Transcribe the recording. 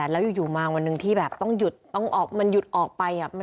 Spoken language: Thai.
แล้วอยู่มาวันหนึ่งที่แบบต้องหยุดต้องออกมันหยุดออกไป